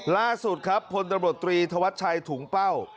ล่าสุดครับพลตำรวจตรีธวัชชัยถุงเป้า